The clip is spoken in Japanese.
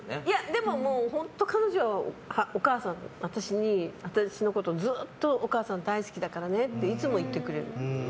でも、本当に彼女は私のことをずっとお母さん大好きだからねっていつも言ってくれる。